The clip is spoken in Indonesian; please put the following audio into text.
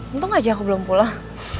untung aja aku belum pulang